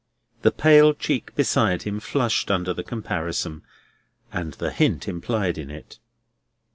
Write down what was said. The pale cheek beside him flushed under the comparison, and the hint implied in it.